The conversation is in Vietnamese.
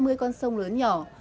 nhưng với con sông lớn nhỏ